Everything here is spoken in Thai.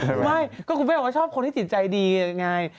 แต่กูไม่รู้ว่าชอบคนที่จิตใจดียังไง